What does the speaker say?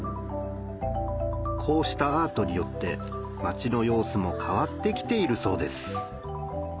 こうしたアートによって街の様子も変わってきているそうです